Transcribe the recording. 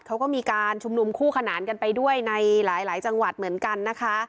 เขาก็มีการชุมนุมคู่ขนานกันไปด้วยในหลายจังหวัดเหมือนกันนะคะ